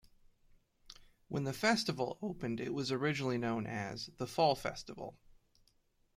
When the festival opened it was originally known as the "Fall Festival".